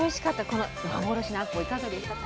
この幻のあこういかがでしたか？